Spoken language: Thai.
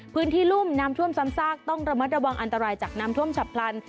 รุ่มน้ำท่วมซ้ำซากต้องระมัดระวังอันตรายจากน้ำท่วมฉับพลัน